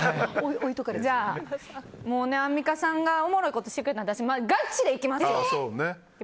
じゃあ、アンミカさんがおもろいことしてくれたんで私はガチでいきますよ。